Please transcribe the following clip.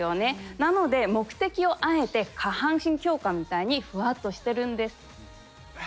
なので目的をあえて「下半身強化」みたいにふわっとしてるんです。